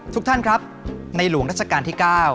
ทุกท่านครับในหลวงรัชกาลที่๙